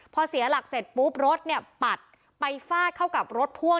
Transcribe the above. พอเสียหลักเสร็จปุ๊บรถเนี่ยปัดไปฟาดเข้ากับรถพ่วง